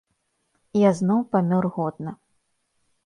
Я зноў памёр годна.